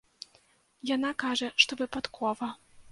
Яна кажа, што выпадкова.